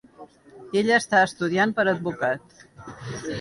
Ella està estudiant per advocat.